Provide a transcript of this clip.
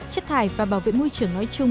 chất thải và bảo vệ môi trường nói chung